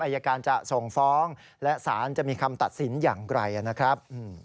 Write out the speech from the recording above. อายการจะส่งฟ้องและสารจะมีคำตัดสินอย่างไรนะครับ